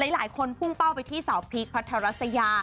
หลายคนพุ่งเป้าไปที่สาวพีคพัทรัสยา